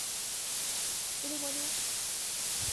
Et les moineaux ?